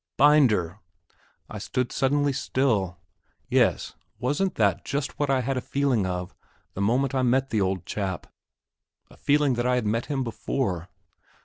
"Binder!" I stood suddenly still. Yes, wasn't that just what I had a feeling of the moment I met the old chap; a feeling that I had met him before!